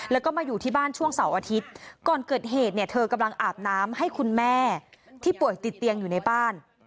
แล้วก็มาอยู่ที่บ้านช่วงเสาร์อาทิตย์ก่อนเกิดเหตุเนี่ยเธอกำลังอาบน้ำให้คุณแม่ที่ป่วยติดเตียงอยู่ในบ้าน